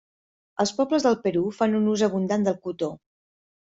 Els pobles del Perú fan ús abundant del cotó.